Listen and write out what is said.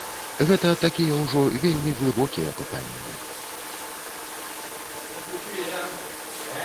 Гэта такія ўжо вельмі глыбокія пытанні.